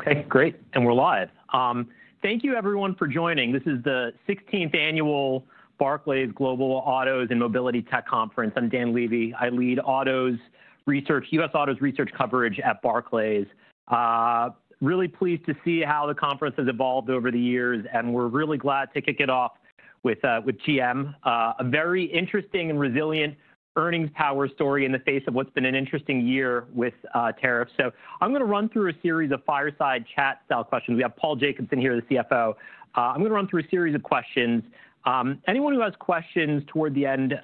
Okay, great, and we're live. Thank you, everyone, for joining. This is the 16th annual Barclays Global Autos and Mobility Tech Conference. I'm Dan Levy. I lead U.S. auto's research coverage at Barclays. Really pleased to see how the conference has evolved over the years, and we're really glad to kick it off with GM, a very interesting and resilient earnings power story in the face of what's been an interesting year with tariffs. I'm going to run through a series of fireside chat style questions. We have Paul Jacobson here, the CFO. I'm going to run through a series of questions. Anyone who has questions toward the end,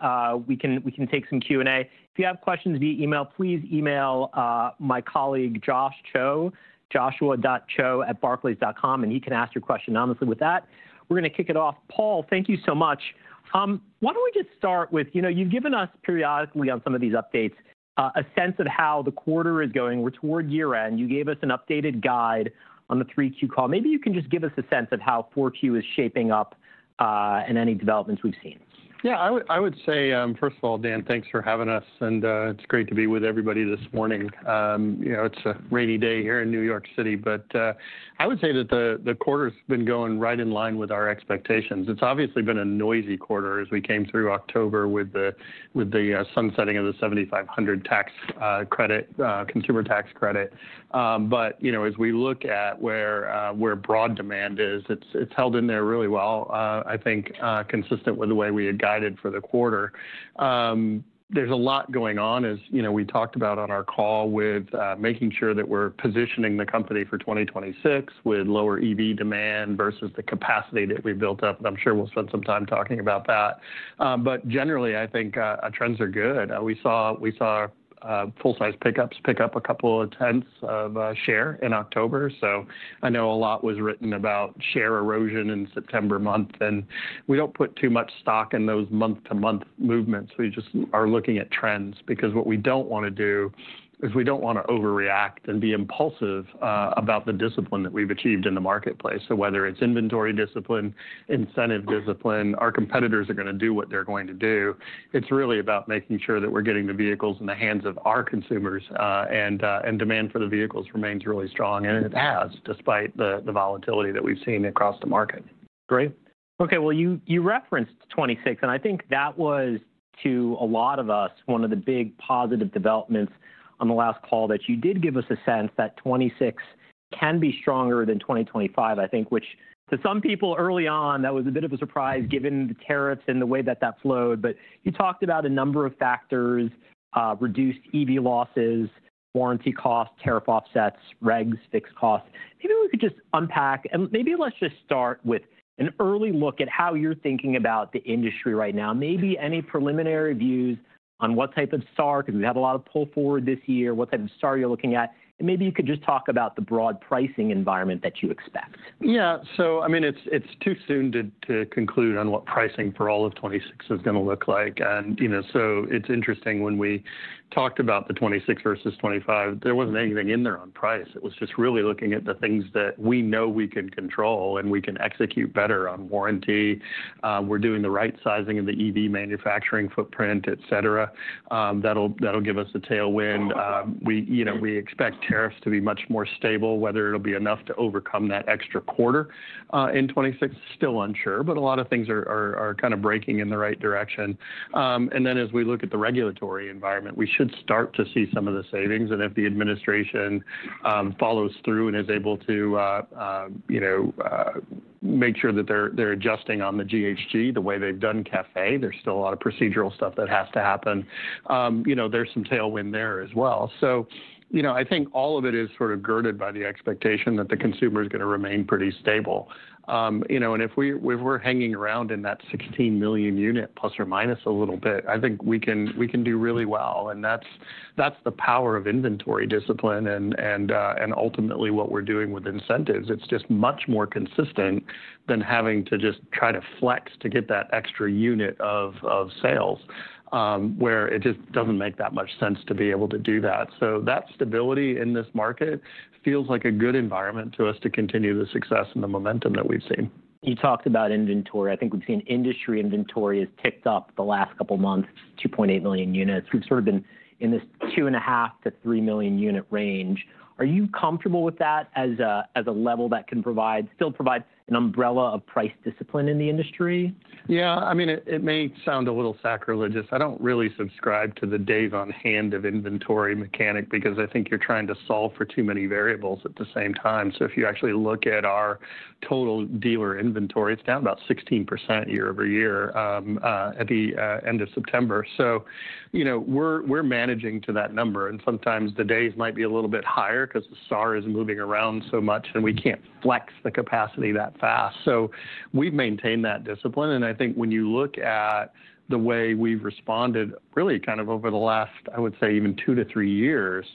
we can take some Q&A. If you have questions via email, please email my colleague, Josh Cho, joshua.cho@barclays.com, and he can ask your question honestly. With that, we're going to kick it off. Paul, thank you so much. Why don't we just start with, you know, you've given us periodically on some of these updates a sense of how the quarter is going. We're toward year-end. You gave us an updated guide on the 3Q call. Maybe you can just give us a sense of how 4Q is shaping up and any developments we've seen. Yeah, I would say, first of all, Dan, thanks for having us, and it's great to be with everybody this morning. You know, it's a rainy day here in New York City, but I would say that the quarter's been going right in line with our expectations. It's obviously been a noisy quarter as we came through October with the sunsetting of the $7,500 tax credit, consumer tax credit. You know, as we look at where broad demand is, it's held in there really well, I think, consistent with the way we had guided for the quarter. There's a lot going on, as you know we talked about on our call, with making sure that we're positioning the company for 2026 with lower EV demand versus the capacity that we've built up. I'm sure we'll spend some time talking about that. Generally, I think our trends are good. We saw full-size pickups pick up a couple of tenths of share in October. I know a lot was written about share erosion in September month, and we do not put too much stock in those month-to-month movements. We just are looking at trends, because what we do not want to do is we do not want to overreact and be impulsive about the discipline that we have achieved in the marketplace. Whether it is inventory discipline, incentive discipline, our competitors are going to do what they are going to do. It is really about making sure that we are getting the vehicles in the hands of our consumers, and demand for the vehicles remains really strong, and it has, despite the volatility that we have seen across the market. Great. Okay, you referenced 2026, and I think that was, to a lot of us, one of the big positive developments on the last call, that you did give us a sense that 2026 can be stronger than 2025, I think, which to some people early on, that was a bit of a surprise given the tariffs and the way that that flowed. You talked about a number of factors: reduced EV losses, warranty costs, tariff offsets, regs, fixed costs. Maybe we could just unpack, and maybe let's just start with an early look at how you're thinking about the industry right now, maybe any preliminary views on what type of SAR, because we've had a lot of pull forward this year, what type of SAR you're looking at, and maybe you could just talk about the broad pricing environment that you expect. Yeah, I mean, it's too soon to conclude on what pricing for all of 2026 is going to look like. You know, it's interesting when we talked about 2026 versus 2025, there wasn't anything in there on price. It was just really looking at the things that we know we can control and we can execute better on warranty. We're doing the right sizing of the EV manufacturing footprint, et cetera. That'll give us a tailwind. We expect tariffs to be much more stable, whether it'll be enough to overcome that extra quarter in 2026, still unsure, but a lot of things are kind of breaking in the right direction. As we look at the regulatory environment, we should start to see some of the savings. If the administration follows through and is able to, you know, make sure that they're adjusting on the GHG the way they've done CAFE, there's still a lot of procedural stuff that has to happen. You know, there's some tailwind there as well. You know, I think all of it is sort of girded by the expectation that the consumer is going to remain pretty stable. You know, and if we're hanging around in that 16 million unit, plus or minus a little bit, I think we can do really well. That's the power of inventory discipline and ultimately what we're doing with incentives. It's just much more consistent than having to just try to flex to get that extra unit of sales, where it just doesn't make that much sense to be able to do that. That stability in this market feels like a good environment to us to continue the success and the momentum that we've seen. You talked about inventory. I think we've seen industry inventory has ticked up the last couple of months, 2.8 million units. We've sort of been in this 2.5-3 million unit range. Are you comfortable with that as a level that can still provide an umbrella of price discipline in the industry? Yeah, I mean, it may sound a little sacrilegious. I do not really subscribe to the days-on-hand of inventory mechanic, because I think you are trying to solve for too many variables at the same time. If you actually look at our total dealer inventory, it is down about 16% year-over-year at the end of September. You know, we are managing to that number, and sometimes the days might be a little bit higher because the SAR is moving around so much and we cannot flex the capacity that fast. We have maintained that discipline. I think when you look at the way we have responded, really kind of over the last, I would say, even two to three years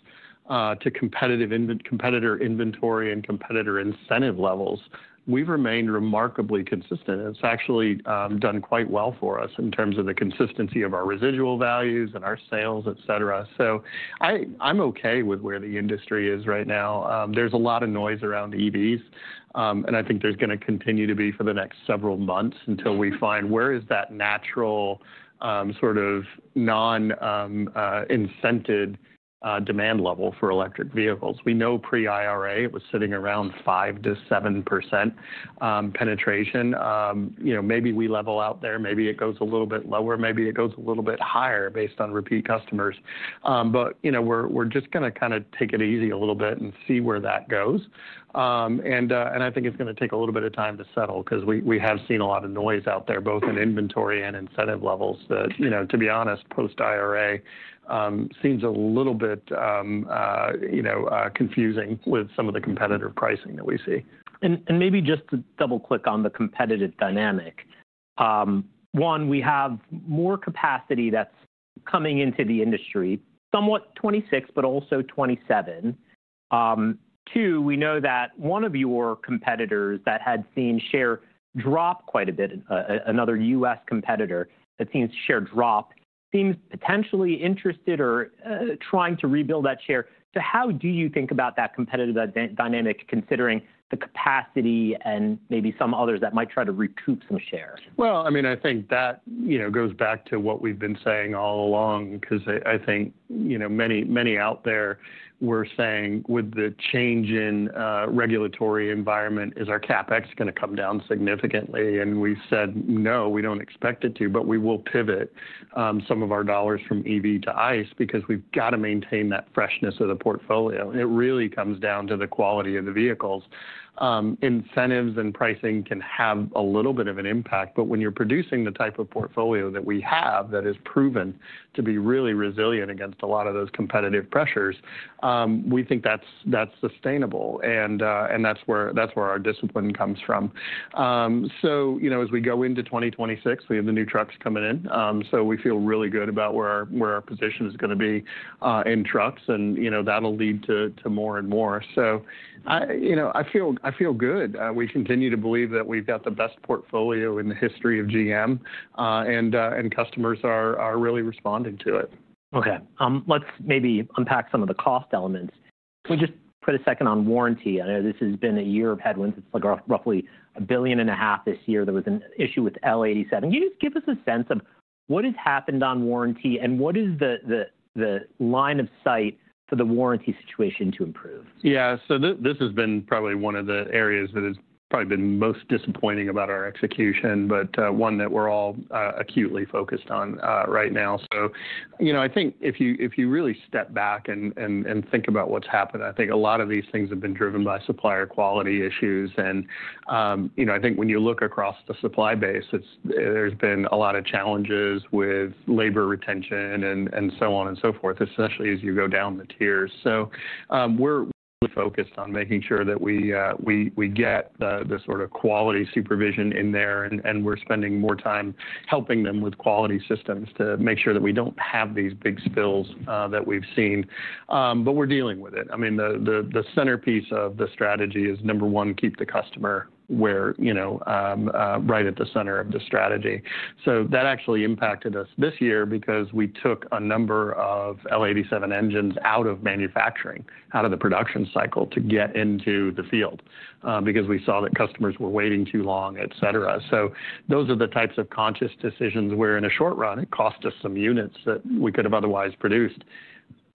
to competitor inventory and competitor incentive levels, we have remained remarkably consistent. It's actually done quite well for us in terms of the consistency of our residual values and our sales, et cetera. I'm okay with where the industry is right now. There's a lot of noise around EVs, and I think there's going to continue to be for the next several months until we find where is that natural sort of non-incented demand level for electric vehicles. We know pre-IRA, it was sitting around 5-7% penetration. You know, maybe we level out there, maybe it goes a little bit lower, maybe it goes a little bit higher based on repeat customers. You know, we're just going to kind of take it easy a little bit and see where that goes. I think it's going to take a little bit of time to settle, because we have seen a lot of noise out there, both in inventory and incentive levels, that, you know, to be honest, post-IRA seems a little bit, you know, confusing with some of the competitive pricing that we see. Maybe just to double-click on the competitive dynamic, one, we have more capacity that is coming into the industry, somewhat 2026, but also 2027. Two, we know that one of your competitors that had seen share drop quite a bit, another U.S. competitor that seems to share drop, seems potentially interested or trying to rebuild that share. How do you think about that competitive dynamic considering the capacity and maybe some others that might try to recoup some share? I mean, I think that, you know, goes back to what we've been saying all along, because I think, you know, many out there were saying with the change in regulatory environment, is our CapEx going to come down significantly? We said, no, we don't expect it to, but we will pivot some of our dollars from EV to ICE, because we've got to maintain that freshness of the portfolio. It really comes down to the quality of the vehicles. Incentives and pricing can have a little bit of an impact, but when you're producing the type of portfolio that we have that is proven to be really resilient against a lot of those competitive pressures, we think that's sustainable, and that's where our discipline comes from. You know, as we go into 2026, we have the new trucks coming in, so we feel really good about where our position is going to be in trucks, and, you know, that'll lead to more and more. You know, I feel good. We continue to believe that we've got the best portfolio in the history of GM, and customers are really responding to it. Okay, let's maybe unpack some of the cost elements. Can we just put a second on warranty? I know this has been a year of headwinds. It's like roughly $1.5 billion this year. There was an issue with L87. Can you just give us a sense of what has happened on warranty and what is the line of sight for the warranty situation to improve? Yeah, this has been probably one of the areas that has probably been most disappointing about our execution, but one that we're all acutely focused on right now. You know, I think if you really step back and think about what's happened, I think a lot of these things have been driven by supplier quality issues. You know, I think when you look across the supply base, there's been a lot of challenges with labor retention and so on and so forth, especially as you go down the tiers. We're really focused on making sure that we get the sort of quality supervision in there, and we're spending more time helping them with quality systems to make sure that we don't have these big spills that we've seen. We're dealing with it. I mean, the centerpiece of the strategy is, number one, keep the customer right at the center of the strategy. That actually impacted us this year because we took a number of L87 engines out of manufacturing, out of the production cycle to get into the field, because we saw that customers were waiting too long, et cetera. Those are the types of conscious decisions where, in the short run, it cost us some units that we could have otherwise produced.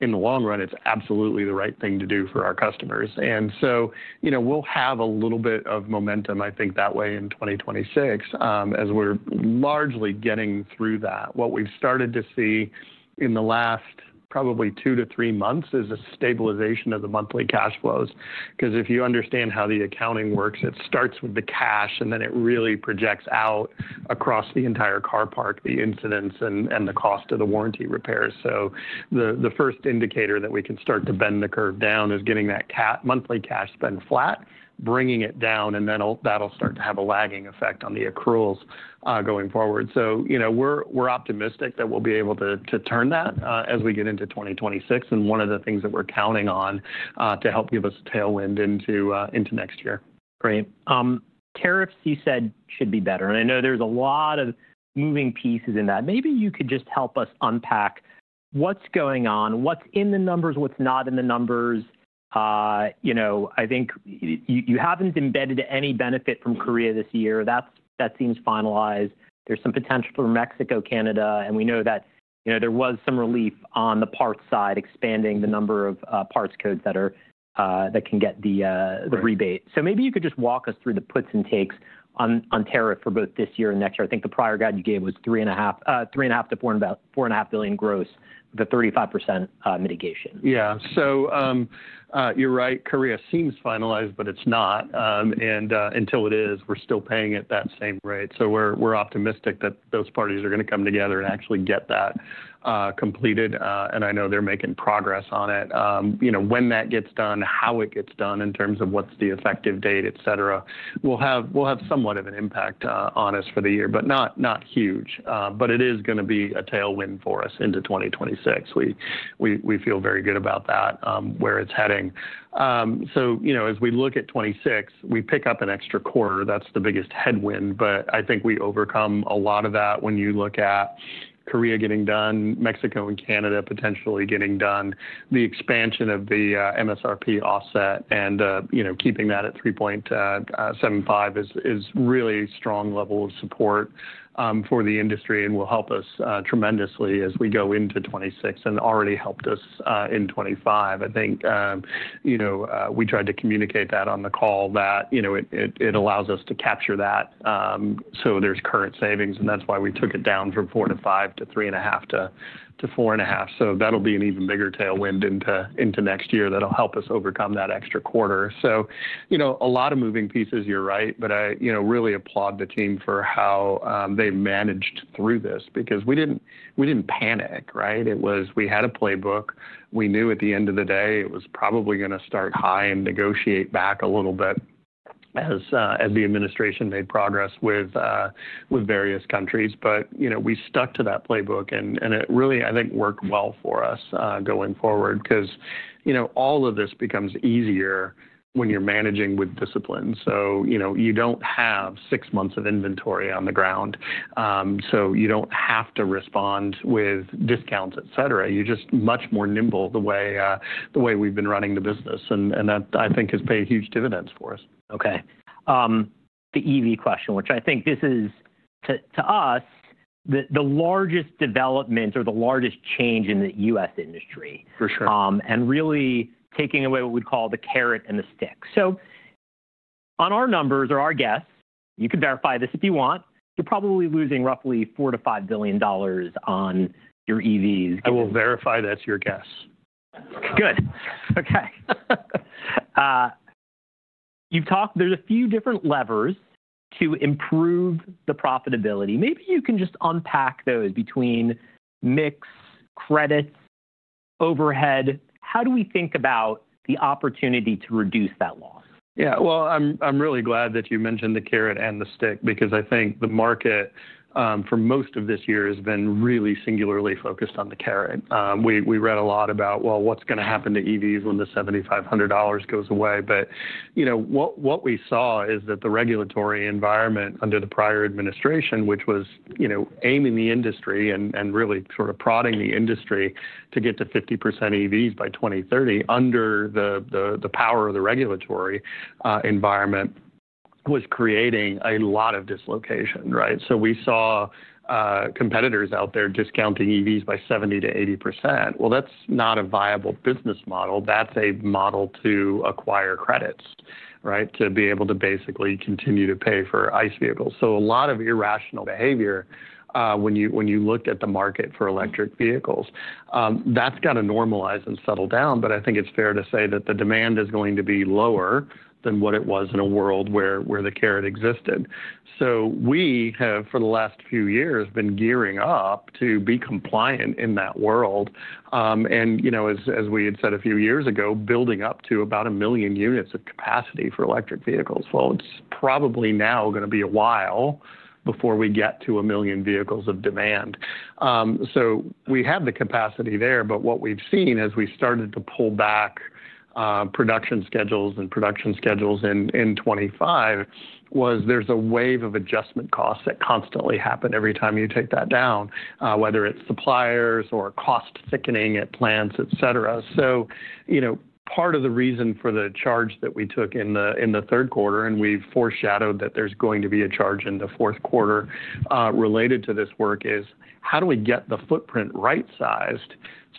In the long run, it's absolutely the right thing to do for our customers. You know, we'll have a little bit of momentum, I think, that way in 2026 as we're largely getting through that. What we've started to see in the last probably two to three months is a stabilization of the monthly cash flows, because if you understand how the accounting works, it starts with the cash, and then it really projects out across the entire car park, the incidents, and the cost of the warranty repairs. The first indicator that we can start to bend the curve down is getting that monthly cash spend flat, bringing it down, and then that'll start to have a lagging effect on the accruals going forward. You know, we're optimistic that we'll be able to turn that as we get into 2026, and one of the things that we're counting on to help give us a tailwind into next year. Great. Tariffs, you said, should be better. I know there's a lot of moving pieces in that. Maybe you could just help us unpack what's going on, what's in the numbers, what's not in the numbers. You know, I think you haven't embedded any benefit from Korea this year. That seems finalized. There's some potential for Mexico, Canada, and we know that, you know, there was some relief on the parts side, expanding the number of parts codes that can get the rebate. Maybe you could just walk us through the puts and takes on tariff for both this year and next year. I think the prior guide you gave was $3.5 billion-$4.5 billion gross with a 35% mitigation. Yeah, so you're right, Korea seems finalized, but it's not. And until it is, we're still paying at that same rate. We're optimistic that those parties are going to come together and actually get that completed, and I know they're making progress on it. You know, when that gets done, how it gets done in terms of what's the effective date, et cetera, will have somewhat of an impact on us for the year, but not huge. It is going to be a tailwind for us into 2026. We feel very good about that, where it's heading. You know, as we look at 2026, we pick up an extra quarter. That's the biggest headwind, but I think we overcome a lot of that when you look at Korea getting done, Mexico and Canada potentially getting done, the expansion of the MSRP offset, and, you know, keeping that at $3,750 is really a strong level of support for the industry and will help us tremendously as we go into 2026 and already helped us in 2025. I think, you know, we tried to communicate that on the call that, you know, it allows us to capture that. So there's current savings, and that's why we took it down from $4,500 to $3,500-$4,500. That will be an even bigger tailwind into next year that will help us overcome that extra quarter. You know, a lot of moving pieces, you're right, but I, you know, really applaud the team for how they've managed through this, because we didn't panic, right? It was, we had a playbook. We knew at the end of the day it was probably going to start high and negotiate back a little bit as the administration made progress with various countries. But, you know, we stuck to that playbook, and it really, I think, worked well for us going forward, because, you know, all of this becomes easier when you're managing with discipline. You don't have six months of inventory on the ground, so you don't have to respond with discounts, et cetera. You're just much more nimble the way we've been running the business, and that, I think, has paid huge dividends for us. Okay, the EV question, which I think this is, to us, the largest development or the largest change in the U.S. industry. For sure. Really taking away what we'd call the carrot and the stick. On our numbers or our guess, you can verify this if you want, you're probably losing roughly $4 billion-$5 billion on your EVs. I will verify that's your guess. Good. Okay, you've talked, there's a few different levers to improve the profitability. Maybe you can just unpack those between mix, credits, overhead. How do we think about the opportunity to reduce that loss? Yeah, I’m really glad that you mentioned the carrot and the stick, because I think the market for most of this year has been really singularly focused on the carrot. We read a lot about, well, what’s going to happen to EVs when the $7,500 goes away. You know, what we saw is that the regulatory environment under the prior administration, which was, you know, aiming the industry and really sort of prodding the industry to get to 50% EVs by 2030 under the power of the regulatory environment, was creating a lot of dislocation, right? We saw competitors out there discounting EVs by 70-80%. That’s not a viable business model. That’s a model to acquire credits, right, to be able to basically continue to pay for ICE vehicles. A lot of irrational behavior when you look at the market for electric vehicles. That's got to normalize and settle down, but I think it's fair to say that the demand is going to be lower than what it was in a world where the carrot existed. We have, for the last few years, been gearing up to be compliant in that world. You know, as we had said a few years ago, building up to about a million units of capacity for electric vehicles. It's probably now going to be a while before we get to a million vehicles of demand. We have the capacity there, but what we've seen as we started to pull back production schedules and production schedules in 2025 was there's a wave of adjustment costs that constantly happen every time you take that down, whether it's suppliers or cost thickening at plants, et cetera. You know, part of the reason for the charge that we took in the third quarter, and we've foreshadowed that there's going to be a charge in the fourth quarter related to this work, is how do we get the footprint right-sized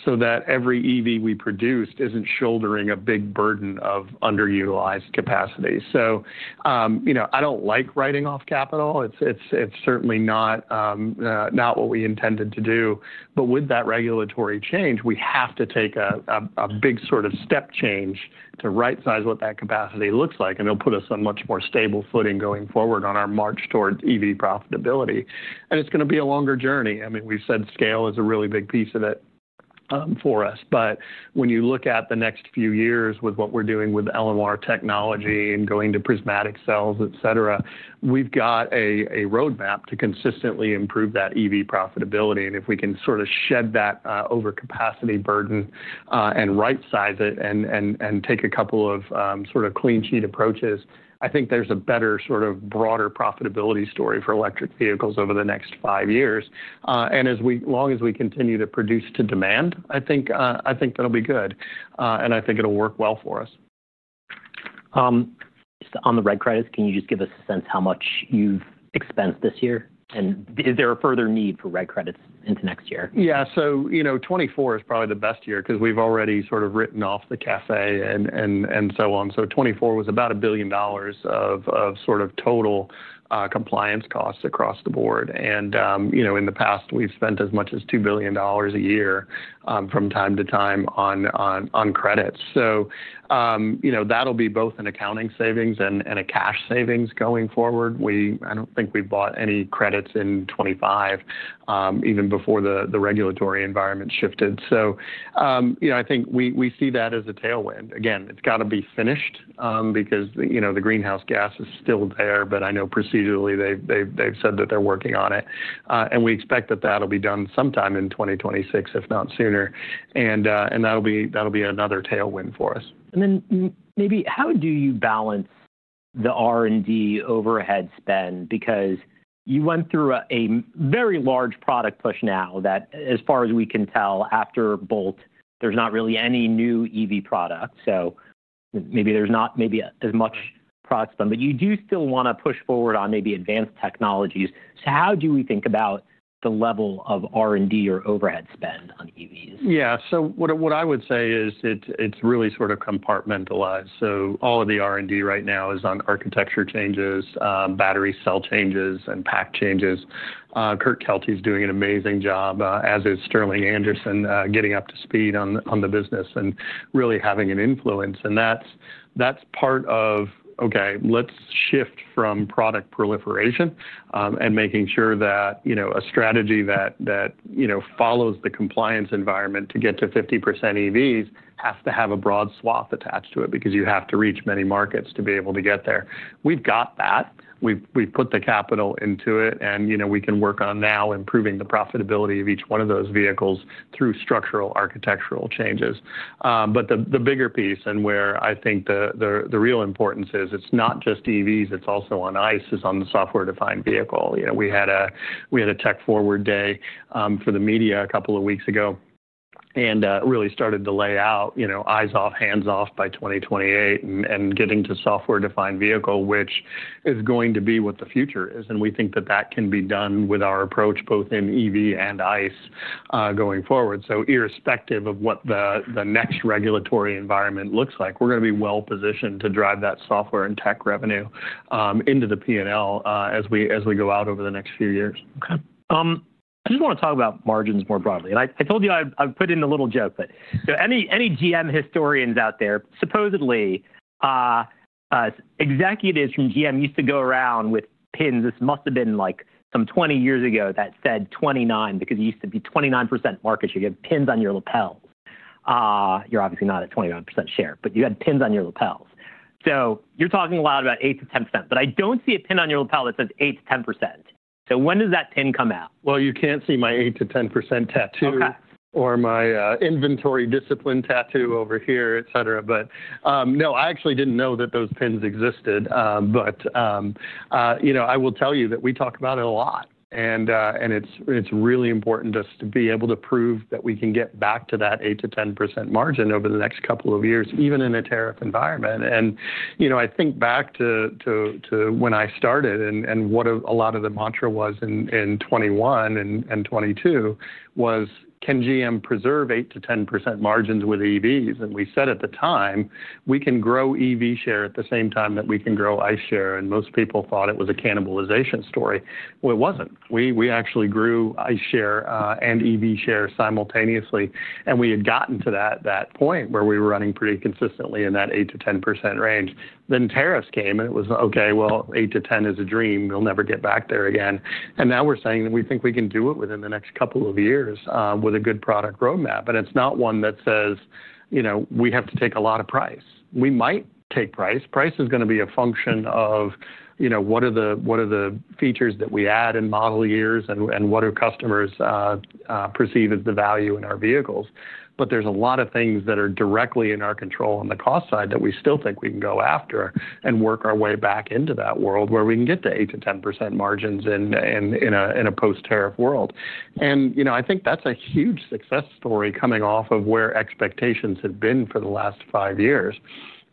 so that every EV we produced isn't shouldering a big burden of underutilized capacity? You know, I don't like writing off capital. It's certainly not what we intended to do. With that regulatory change, we have to take a big sort of step change to right-size what that capacity looks like, and it'll put us on much more stable footing going forward on our march toward EV profitability. It's going to be a longer journey. I mean, we've said scale is a really big piece of it for us. When you look at the next few years with what we're doing with LMR technology and going to prismatic cells, et cetera, we've got a roadmap to consistently improve that EV profitability. If we can sort of shed that overcapacity burden and right-size it and take a couple of sort of clean sheet approaches, I think there's a better sort of broader profitability story for electric vehicles over the next five years. As long as we continue to produce to demand, I think that'll be good, and I think it'll work well for us. On the red credits, can you just give us a sense how much you've expensed this year? Is there a further need for red credits into next year? Yeah, so, you know, 2024 is probably the best year because we've already sort of written off the CAFE and so on. So 2024 was about $1 billion of sort of total compliance costs across the board. And, you know, in the past, we've spent as much as $2 billion a year from time to time on credits. So, you know, that'll be both an accounting savings and a cash savings going forward. I don't think we've bought any credits in 2025, even before the regulatory environment shifted. So, you know, I think we see that as a tailwind. Again, it's got to be finished because, you know, the greenhouse gas is still there, but I know procedurally they've said that they're working on it. We expect that that'll be done sometime in 2026, if not sooner. That'll be another tailwind for us. Maybe how do you balance the R&D overhead spend? Because you went through a very large product push now that, as far as we can tell, after Bolt, there's not really any new EV product. Maybe there's not as much product spend, but you do still want to push forward on maybe advanced technologies. How do we think about the level of R&D or overhead spend on EVs? Yeah, so what I would say is it's really sort of compartmentalized. All of the R&D right now is on architecture changes, battery cell changes, and pack changes. Kurt Ketelhut is doing an amazing job, as is Sterling Anderson, getting up to speed on the business and really having an influence. That's part of, okay, let's shift from product proliferation and making sure that, you know, a strategy that, you know, follows the compliance environment to get to 50% EVs has to have a broad swath attached to it because you have to reach many markets to be able to get there. We've got that. We've put the capital into it, and, you know, we can work on now improving the profitability of each one of those vehicles through structural architectural changes. The bigger piece and where I think the real importance is, it's not just EVs, it's also on ICE, it's on the software-defined vehicle. You know, we had a tech forward day for the media a couple of weeks ago and really started to lay out, you know, eyes off, hands off by 2028 and getting to software-defined vehicle, which is going to be what the future is. We think that that can be done with our approach both in EV and ICE going forward. Irrespective of what the next regulatory environment looks like, we're going to be well positioned to drive that software and tech revenue into the P&L as we go out over the next few years. Okay, I just want to talk about margins more broadly. I told you I put in a little joke, but any GM historians out there, supposedly executives from GM used to go around with pins. This must have been like some 20 years ago that said 29 because it used to be 29% market share. You have pins on your lapels. You're obviously not at 29% share, but you had pins on your lapels. You're talking a lot about 8-10%, but I don't see a pin on your lapel that says 8-10%. When does that pin come out? You can't see my 8-10% tattoo or my inventory discipline tattoo over here, et cetera. No, I actually didn't know that those pins existed. You know, I will tell you that we talk about it a lot, and it's really important to us to be able to prove that we can get back to that 8-10% margin over the next couple of years, even in a tariff environment. You know, I think back to when I started and what a lot of the mantra was in 2021 and 2022 was, can GM preserve 8-10% margins with EVs? We said at the time, we can grow EV share at the same time that we can grow ICE share. Most people thought it was a cannibalization story. It wasn't. We actually grew ICE share and EV share simultaneously, and we had gotten to that point where we were running pretty consistently in that 8-10% range. Tariffs came, and it was, okay, 8-10% is a dream. We'll never get back there again. Now we're saying that we think we can do it within the next couple of years with a good product roadmap. It's not one that says, you know, we have to take a lot of price. We might take price. Price is going to be a function of, you know, what are the features that we add in model years and what do customers perceive as the value in our vehicles. There are a lot of things that are directly in our control on the cost side that we still think we can go after and work our way back into that world where we can get to 8-10% margins in a post-tariff world. You know, I think that's a huge success story coming off of where expectations have been for the last five years.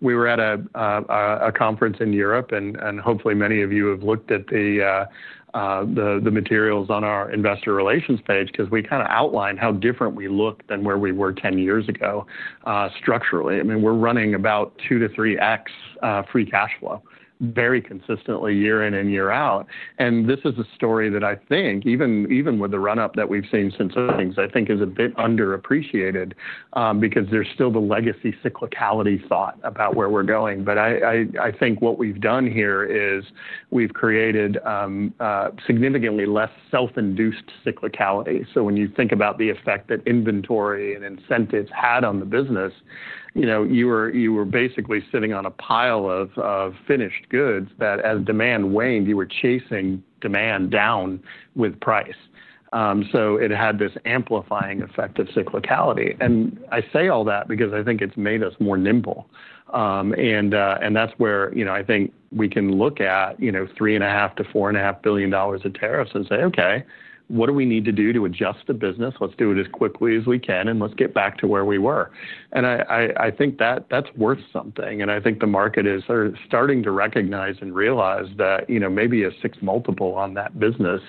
We were at a conference in Europe, and hopefully many of you have looked at the materials on our investor relations page because we kind of outlined how different we looked than where we were 10 years ago structurally. I mean, we're running about 2-3x free cash flow very consistently year in and year out. This is a story that I think, even with the run-up that we've seen since earnings, I think is a bit underappreciated because there's still the legacy cyclicality thought about where we're going. I think what we've done here is we've created significantly less self-induced cyclicality. When you think about the effect that inventory and incentives had on the business, you know, you were basically sitting on a pile of finished goods that as demand waned, you were chasing demand down with price. It had this amplifying effect of cyclicality. I say all that because I think it's made us more nimble. That's where, you know, I think we can look at, you know, $3.5 billion-$4.5 billion of tariffs and say, okay, what do we need to do to adjust the business? Let's do it as quickly as we can and let's get back to where we were. I think that that's worth something. I think the market is starting to recognize and realize that, you know, maybe a six multiple on that business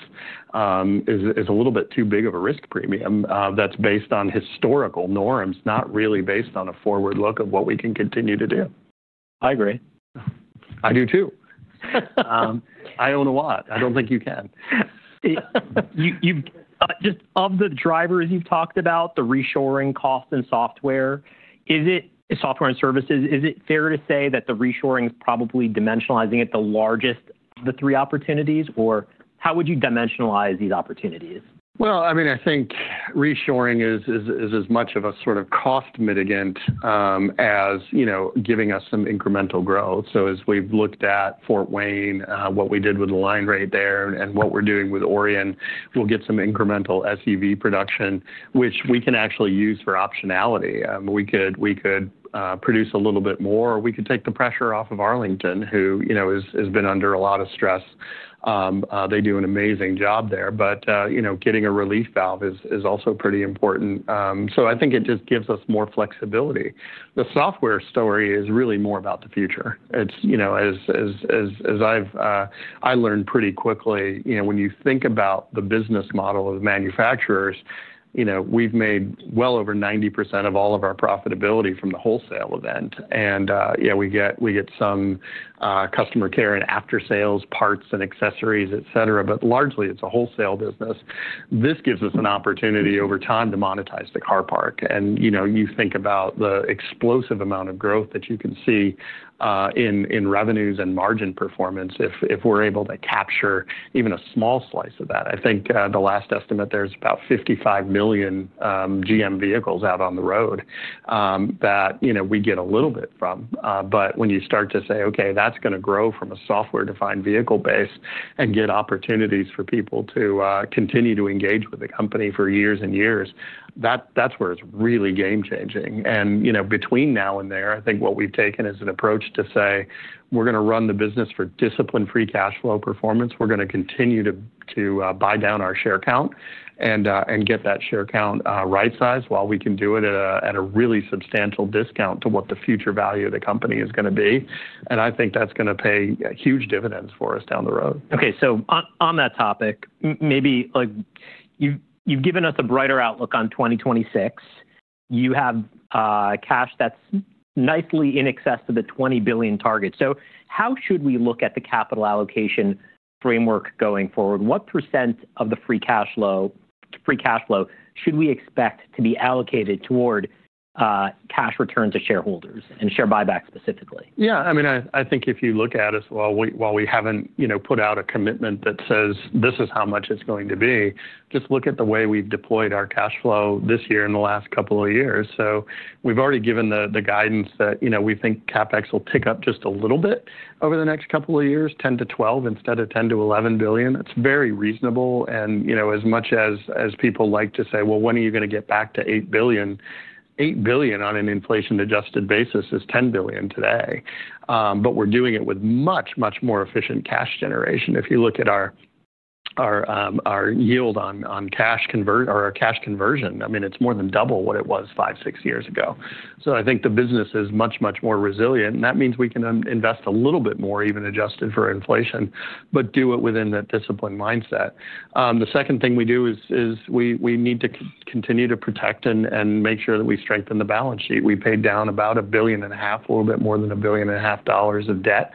is a little bit too big of a risk premium that's based on historical norms, not really based on a forward look of what we can continue to do. I agree. I do too. I own a lot. I don't think you can. Just of the drivers you've talked about, the reshoring costs and software, is it software and services, is it fair to say that the reshoring is probably dimensionalizing at the largest of the three opportunities? Or how would you dimensionalize these opportunities? I think reshoring is as much of a sort of cost mitigant as, you know, giving us some incremental growth. As we've looked at Fort Wayne, what we did with the line rate there and what we're doing with Oryon, we'll get some incremental SEV production, which we can actually use for optionality. We could produce a little bit more. We could take the pressure off of Arlington, who, you know, has been under a lot of stress. They do an amazing job there. You know, getting a relief valve is also pretty important. I think it just gives us more flexibility. The software story is really more about the future. It's, you know, as I've learned pretty quickly, you know, when you think about the business model of the manufacturers, you know, we've made well over 90% of all of our profitability from the wholesale event. You know, we get some customer care and after-sales parts and accessories, et cetera, but largely it's a wholesale business. This gives us an opportunity over time to monetize the car park. You know, you think about the explosive amount of growth that you can see in revenues and margin performance if we're able to capture even a small slice of that. I think the last estimate there is about 55 million GM vehicles out on the road that, you know, we get a little bit from. When you start to say, okay, that's going to grow from a software-defined vehicle base and get opportunities for people to continue to engage with the company for years and years, that's where it's really game-changing. You know, between now and there, I think what we've taken is an approach to say we're going to run the business for discipline-free cash flow performance. We're going to continue to buy down our share count and get that share count right-sized while we can do it at a really substantial discount to what the future value of the company is going to be. I think that's going to pay huge dividends for us down the road. Okay, on that topic, maybe like you've given us a brighter outlook on 2026. You have cash that's nicely in excess of the $20 billion target. How should we look at the capital allocation framework going forward? What % of the free cash flow should we expect to be allocated toward cash returns to shareholders and share buybacks specifically? Yeah, I mean, I think if you look at us while we haven't, you know, put out a commitment that says this is how much it's going to be, just look at the way we've deployed our cash flow this year and the last couple of years. We've already given the guidance that, you know, we think CapEx will tick up just a little bit over the next couple of years, $10 billion to $12 billion instead of $10 billion to $11 billion. It's very reasonable. You know, as much as people like to say, well, when are you going to get back to $8 billion? $8 billion on an inflation-adjusted basis is $10 billion today. We're doing it with much, much more efficient cash generation. If you look at our yield on cash conversion, I mean, it's more than double what it was five, six years ago. I think the business is much, much more resilient. That means we can invest a little bit more, even adjusted for inflation, but do it within that discipline mindset. The second thing we do is we need to continue to protect and make sure that we strengthen the balance sheet. We paid down about $1.5 billion, a little bit more than $1.5 billion of debt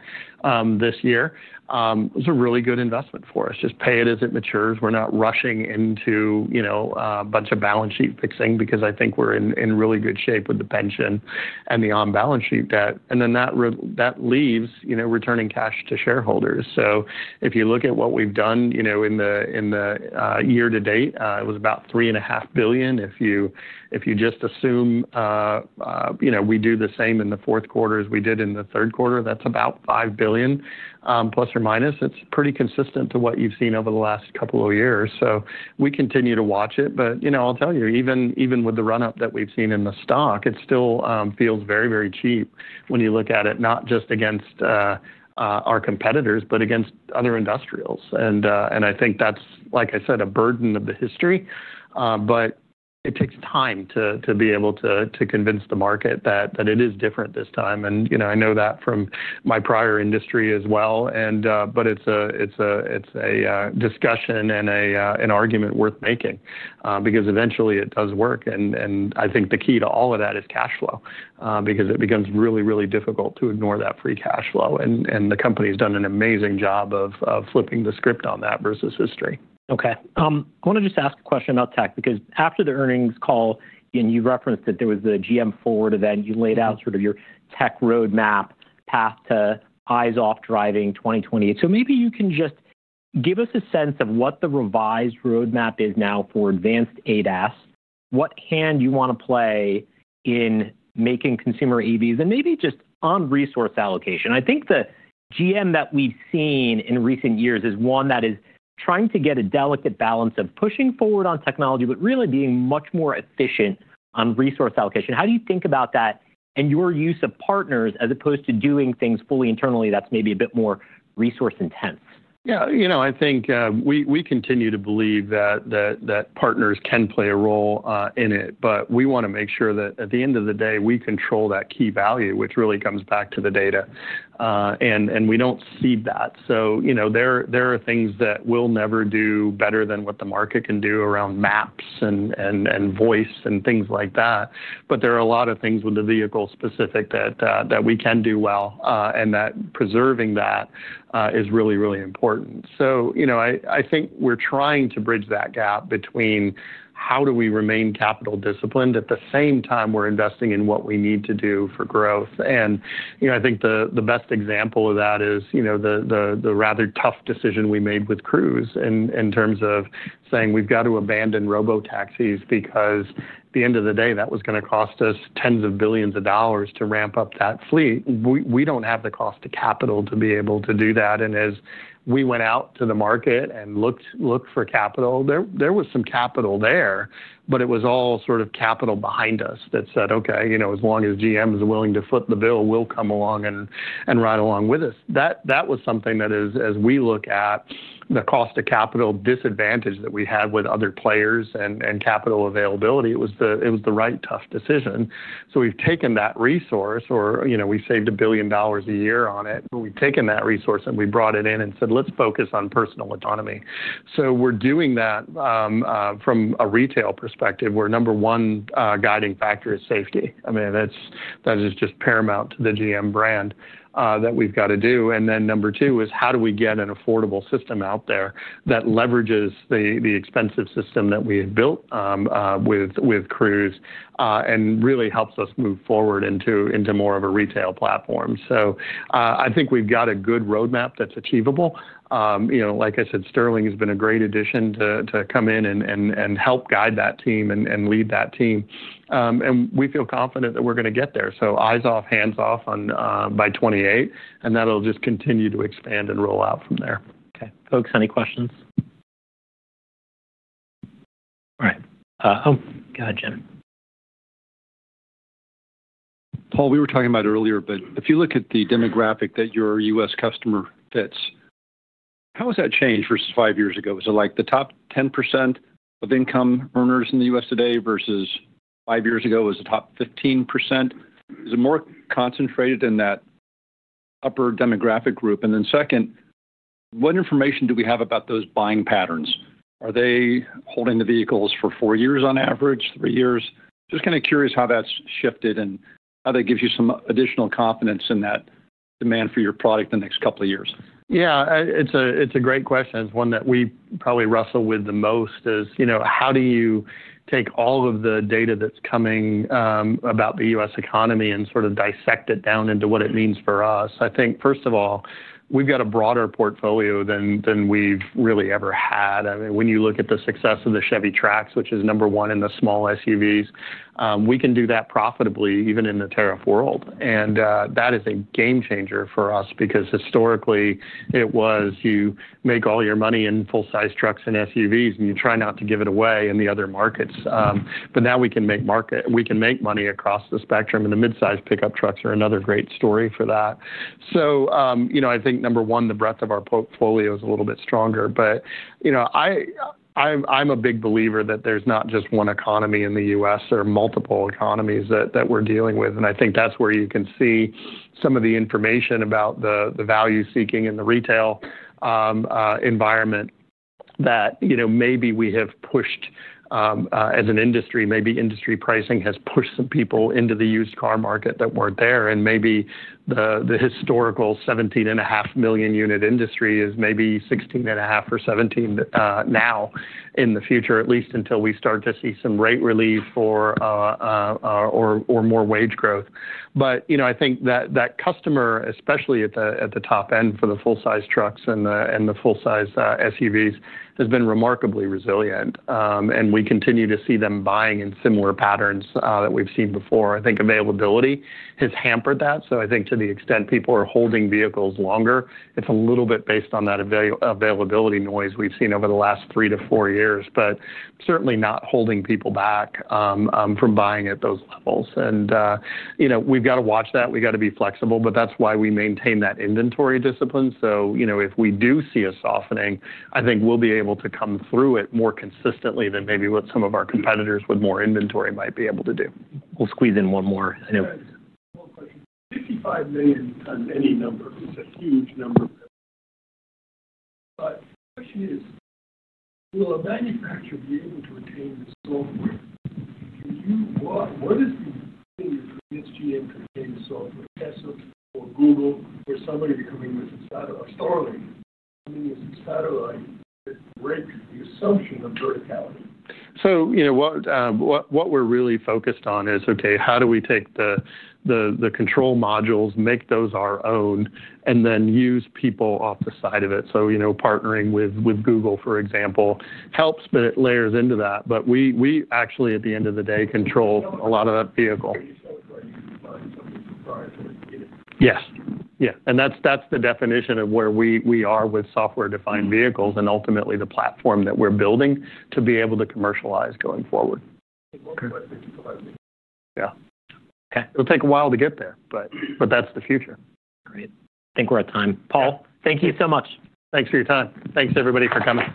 this year. It's a really good investment for us. Just pay it as it matures. We're not rushing into, you know, a bunch of balance sheet fixing because I think we're in really good shape with the pension and the on-balance sheet debt. That leaves, you know, returning cash to shareholders. If you look at what we've done, you know, in the year to date, it was about $3.5 billion. If you just assume, you know, we do the same in the fourth quarter as we did in the third quarter, that's about $5 billion plus or minus. It's pretty consistent to what you've seen over the last couple of years. We continue to watch it. You know, I'll tell you, even with the run-up that we've seen in the stock, it still feels very, very cheap when you look at it, not just against our competitors, but against other industrials. I think that's, like I said, a burden of the history. It takes time to be able to convince the market that it is different this time. You know, I know that from my prior industry as well. It's a discussion and an argument worth making because eventually it does work. I think the key to all of that is cash flow because it becomes really, really difficult to ignore that free cash flow. The company has done an amazing job of flipping the script on that versus history. Okay, I want to just ask a question about tech because after the earnings call, and you referenced that there was the GM Forward event, you laid out sort of your tech roadmap path to eyes off driving 2028. Maybe you can just give us a sense of what the revised roadmap is now for advanced ADAS, what hand you want to play in making consumer EVs and maybe just on resource allocation. I think the GM that we've seen in recent years is one that is trying to get a delicate balance of pushing forward on technology, but really being much more efficient on resource allocation. How do you think about that and your use of partners as opposed to doing things fully internally that's maybe a bit more resource intense? Yeah, you know, I think we continue to believe that partners can play a role in it. But we want to make sure that at the end of the day, we control that key value, which really comes back to the data. And we do not see that. You know, there are things that we will never do better than what the market can do around maps and voice and things like that. There are a lot of things with the vehicle specific that we can do well and that preserving that is really, really important. You know, I think we are trying to bridge that gap between how do we remain capital disciplined at the same time we are investing in what we need to do for growth. You know, I think the best example of that is, you know, the rather tough decision we made with Cruise in terms of saying we've got to abandon robotaxis because at the end of the day, that was going to cost us tens of billions of dollars to ramp up that fleet. We don't have the cost of capital to be able to do that. As we went out to the market and looked for capital, there was some capital there, but it was all sort of capital behind us that said, okay, you know, as long as GM is willing to foot the bill, we'll come along and ride along with us. That was something that, as we look at the cost of capital disadvantage that we had with other players and capital availability, it was the right tough decision. We have taken that resource or, you know, we saved $1 billion a year on it. We have taken that resource and we brought it in and said, let's focus on personal autonomy. We are doing that from a retail perspective where the number one guiding factor is safety. I mean, that is just paramount to the GM brand that we have to do. The number two is how do we get an affordable system out there that leverages the expensive system that we had built with Cruise and really helps us move forward into more of a retail platform. I think we have a good roadmap that is achievable. You know, like I said, Sterling has been a great addition to come in and help guide that team and lead that team. We feel confident that we are going to get there. Eyes off, hands off by 2028, and that'll just continue to expand and roll out from there. Okay, folks, any questions? All right. Oh, gotcha. Paul, we were talking about earlier, but if you look at the demographic that your U.S. customer fits, how has that changed versus five years ago? Is it like the top 10% of income earners in the U.S. today versus five years ago was the top 15%? Is it more concentrated in that upper demographic group? What information do we have about those buying patterns? Are they holding the vehicles for four years on average, three years? Just kind of curious how that's shifted and how that gives you some additional confidence in that demand for your product the next couple of years. Yeah, it's a great question. It's one that we probably wrestle with the most is, you know, how do you take all of the data that's coming about the U.S. economy and sort of dissect it down into what it means for us? I think first of all, we've got a broader portfolio than we've really ever had. I mean, when you look at the success of the Chevy Trax, which is number one in the small SUVs, we can do that profitably even in the tariff world. That is a game changer for us because historically it was you make all your money in full-size trucks and SUVs and you try not to give it away in the other markets. Now we can make money across the spectrum and the mid-size pickup trucks are another great story for that. You know, I think number one, the breadth of our portfolio is a little bit stronger. You know, I'm a big believer that there's not just one economy in the U.S. There are multiple economies that we're dealing with. I think that's where you can see some of the information about the value seeking in the retail environment that, you know, maybe we have pushed as an industry, maybe industry pricing has pushed some people into the used car market that weren't there. Maybe the historical 17.5 million unit industry is maybe 16.5 or 17 million now in the future, at least until we start to see some rate relief or more wage growth. You know, I think that customer, especially at the top end for the full-size trucks and the full-size SUVs, has been remarkably resilient. We continue to see them buying in similar patterns that we've seen before. I think availability has hampered that. I think to the extent people are holding vehicles longer, it's a little bit based on that availability noise we've seen over the last three to four years, but certainly not holding people back from buying at those levels. You know, we've got to watch that. We've got to be flexible. That's why we maintain that inventory discipline. You know, if we do see a softening, I think we'll be able to come through it more consistently than maybe what some of our competitors with more inventory might be able to do. We'll squeeze in one more. 55 million tons, any number is a huge number. The question is, will a manufacturer be able to retain the software? What is the need for this, GM to retain the software? Tesla or Google or somebody becoming with a satellite or Starlink becoming with a satellite that breaks the assumption of verticality? You know, what we're really focused on is, okay, how do we take the control modules, make those our own, and then use people off the side of it? You know, partnering with Google, for example, helps, but it layers into that. We actually, at the end of the day, control a lot of that vehicle. Yes. Yeah. That's the definition of where we are with software-defined vehicles and ultimately the platform that we're building to be able to commercialize going forward. Okay. Yeah. Okay. It'll take a while to get there, but that's the future. Great. I think we're at time. Paul, thank you so much. Thanks for your time. Thanks, everybody, for coming.